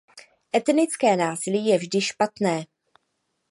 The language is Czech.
Etnické násilí je vždy špatné.